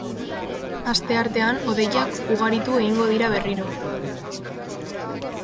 Asteartean hodeiak ugaritu egingo dira berriro.